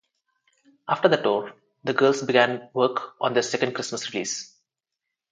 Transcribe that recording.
After the tour, the girls began work on their second Christmas release.